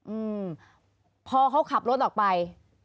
อืมพอเขาขับรถออกไป